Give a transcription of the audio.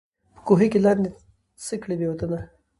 په کوهي کي لاندي څه کړې بې وطنه